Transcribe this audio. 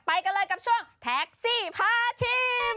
ไปกันเลยกับช่วงแท็กซี่พาชิม